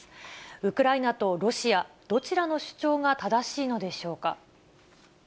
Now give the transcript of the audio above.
ウクライナとロシア、どちらの主張が正しいのでしょうか。